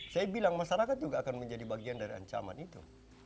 saya bilang masyarakat juga akan menjadi bagian dari ancaman itu